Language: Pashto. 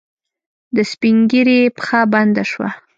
د سپينږيري پښه بنده شوه.